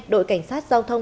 đội cảnh sát giao thông